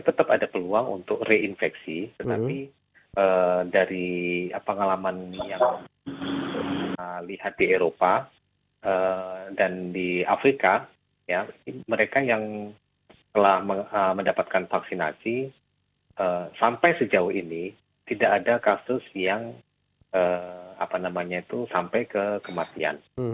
tetap ada peluang untuk reinfeksi tetapi dari pengalaman yang lihat di eropa dan di afrika ya mereka yang telah mendapatkan vaksinasi sampai sejauh ini tidak ada kasus yang apa namanya itu sampai ke kematian